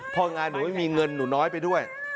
พองานหนูไม่มีเงินหนูน้อยไปด้วย